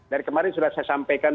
dari kemarin sudah saya sampaikan